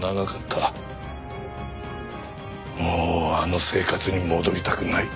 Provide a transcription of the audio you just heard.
もうあの生活に戻りたくない。